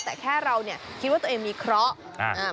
แต่แค่เราเนี่ยคิดว่าตัวเองมีเคราะห์